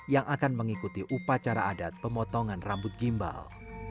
yang akan mengikuti upacara adat pemotongan rambut gimbal